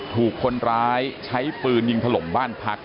ถูกคนร้ายใช้ปืนยิงถล่มบ้านพัก